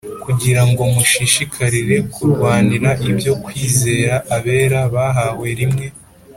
kugira ngo mushishikarire kurwanira ibyo kwizera abera bahawe rimwe